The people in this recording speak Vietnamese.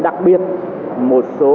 đặc biệt một số